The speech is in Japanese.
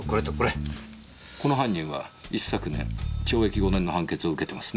この犯人は一昨年懲役５年の判決を受けてますね。